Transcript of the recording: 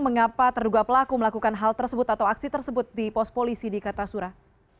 mengapa terduga pelaku melakukan hal tersebut atau aksi tersebut di pos polisi di kartasura